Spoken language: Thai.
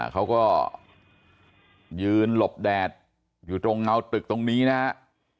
เขาก็ยืนหลบแดดอยู่ตรงเงาตึกตรงนี้นะครับ